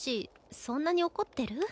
そんなに怒ってる？